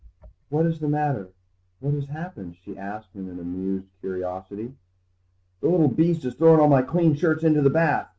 "What is the matter? What has happened?" she asked in amused curiosity. "The little beast has thrown all my clean shirts into the bath!